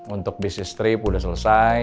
untuk bisnis trip sudah selesai